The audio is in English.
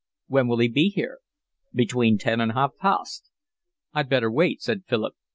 "When will he be here?" "Between ten and half past." "I'd better wait," said Philip.